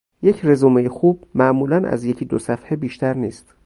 یک رزومه خوب معمولا از یکی دو صفحه بیشتر نیست.